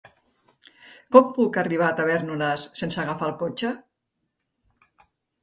Com puc arribar a Tavèrnoles sense agafar el cotxe?